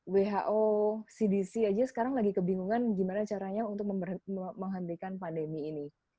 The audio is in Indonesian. who cdc aja sekarang lagi kebingungan gimana caranya untuk menghentikan pandemi ini